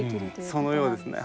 そのようですね。